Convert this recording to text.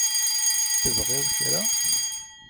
Tebɣiḍ kra?